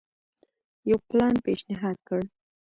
یو پلان پېشنهاد کړ.